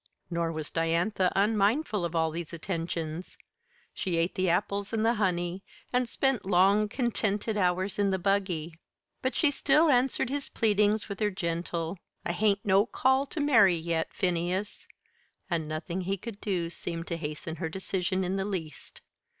Nor was Diantha unmindful of all these attentions. She ate the apples and the honey, and spent long contented hours in the buggy; but she still answered his pleadings with her gentle: "I hain't no call to marry yet, Phineas," and nothing he could do seemed to hasten her decision in the least.